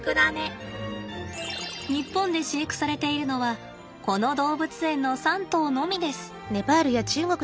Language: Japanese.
日本で飼育されているのはこの動物園の３頭のみです。